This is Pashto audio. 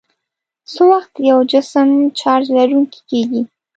څه وخت یو جسم چارج لرونکی کیږي؟